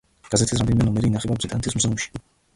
გაზეთის რამდენიმე ნომერი ინახება ბრიტანეთის მუზეუმში.